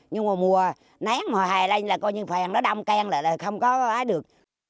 nhưng mà mùa nén mà hài lên là coi như phèn nó đâm khen là không có được